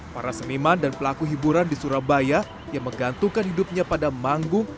para seniman dan pelaku hiburan di surabaya yang menggantungkan hidupnya pada manggung